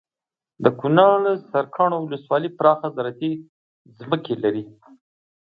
دکنړ سرکاڼو ولسوالي پراخه زراعتي ځمکې لري